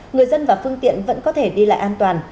người dân và phương tiện vẫn có thể đi lại an toàn